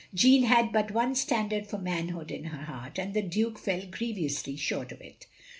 Jeanne had but one standard for manhood in her heart, and the Duke fell grievously short of it.